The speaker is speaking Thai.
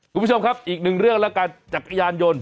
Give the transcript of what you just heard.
คุณผู้ชมครับอีกหนึ่งเรื่องแล้วกันจักรยานยนต์